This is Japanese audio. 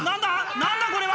何だこれは！